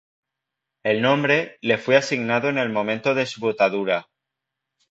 El nombre, le fue asignado en el momento de su botadura.